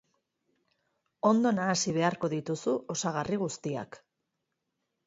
Ondo nahasi beharko dituzu osagarri guztiak.